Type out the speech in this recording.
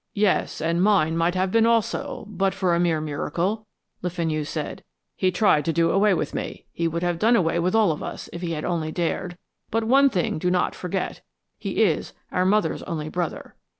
"Yes, and mine might have been also, but for a mere miracle," Le Fenu said. "He tried to do away with me he would have done away with all of us if he had only dared. But one thing do not forget he is our mother's only brother."